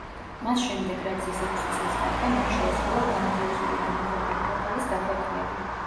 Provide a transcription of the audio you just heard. მას შემდეგ რაც ის ექვსი წლის გახდა, მან შეასრულა გრანდიოზული და მიღებული ვოკალის გაკვეთილები.